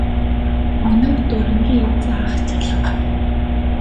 Мөнөөх дурангийн эзэн ах ч алга.